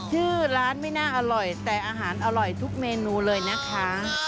ชื่อร้านไม่น่าอร่อยแต่อาหารอร่อยทุกเมนูเลยนะคะ